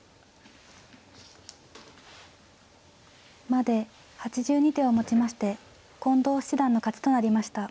まで８２手をもちまして近藤七段の勝ちとなりました。